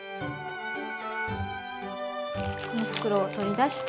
この袋を取り出して。